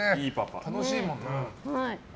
楽しいもんな。